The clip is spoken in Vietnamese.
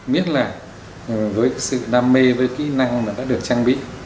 biết là với sự đam mê với kỹ năng đã được trang bị